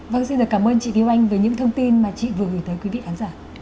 vâng xin cảm ơn chị vũ anh với những thông tin mà chị vừa gửi tới quý vị đánh giả